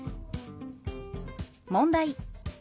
問題。